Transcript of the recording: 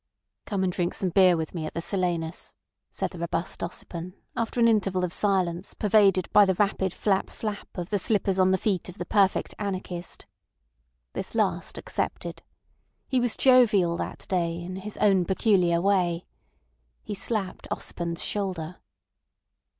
"Come and drink some beer with me at the Silenus," said the robust Ossipon after an interval of silence pervaded by the rapid flap, flap of the slippers on the feet of the Perfect Anarchist. This last accepted. He was jovial that day in his own peculiar way. He slapped Ossipon's shoulder.